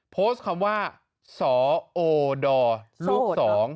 โพสต์คำว่าสอโอดอลูกสอง